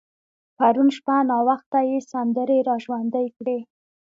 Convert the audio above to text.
پرون شپه ناوخته يې سندرې را ژوندۍ کړې.